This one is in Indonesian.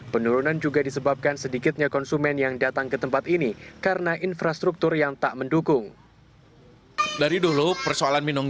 penurunan juga disebabkan sedikitnya konsumen yang datang ke tempat ini karena infrastruktur yang tak mendukung